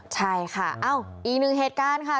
ใช่ค่ะเอ้าอีกหนึ่งเหตุการณ์ค่ะ